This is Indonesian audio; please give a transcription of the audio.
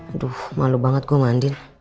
aduh malu banget gue mandir